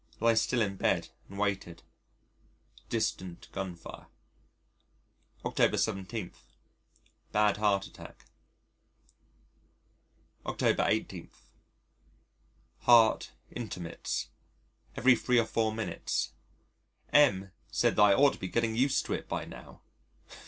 Lay still in bed and waited. Distant gunfire. October 17. Bad heart attack. October 18. Heart intermits. Every three or four minutes. M said that I ought to be getting used to it by now!